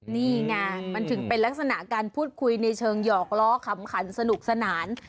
นี่ไงมันถึงเป็นลักษณะการพูดคุยในเชิงหยอกล้อขำขันสนุกสนาน